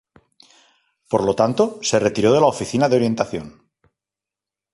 Por lo tanto, se retiró de la oficina de orientación.